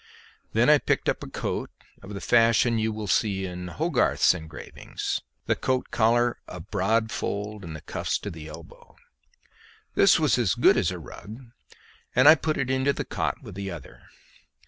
Then I picked up a coat of the fashion you will see in Hogarth's engravings; the coat collar a broad fold, and the cuffs to the elbow. This was as good as a rug, and I put it into the cot with the other.